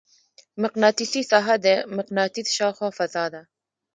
مقناطیسي ساحه د مقناطیس شاوخوا فضا ده.